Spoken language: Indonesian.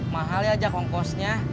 mahal ya jak ongkosnya